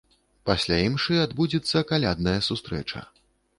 Пасля імшы адбудзецца калядная сустрэча.